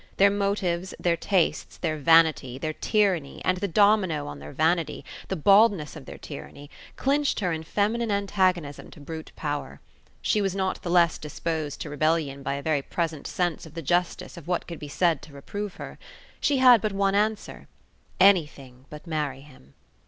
Their motives, their tastes, their vanity, their tyranny, and the domino on their vanity, the baldness of their tyranny, clinched her in feminine antagonism to brute power. She was not the less disposed to rebellion by a very present sense of the justice of what could be said to reprove her. She had but one answer: "Anything but marry him!"